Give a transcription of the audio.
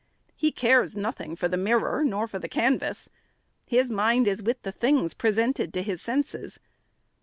He cares nothing for the mirror, nor for the canvas ;— his mind is with the things presented to his senses.